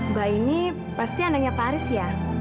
mbak ini pasti anaknya pak haris ya